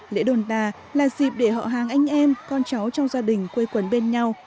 lễ sendonta là dịp để họ hàng anh em con cháu trong gia đình quây quần bên nhau